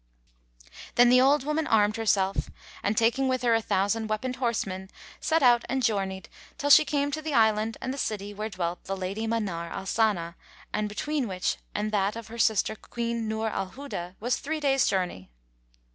Then the old woman armed herself and, taking with her a thousand weaponed horsemen, set out and journeyed till she came to the island and the city where dwelt the Lady Manar al Sana and between which and that of her sister Queen Nur al Huda was three days' journey.